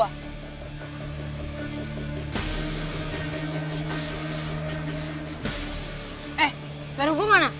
eh sepeda gue mana